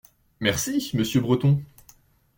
Merci, monsieur Breton.